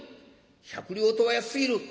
百両とは安すぎる。